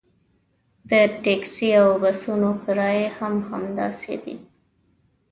د ټکسي او بسونو کرایې هم همداسې دي.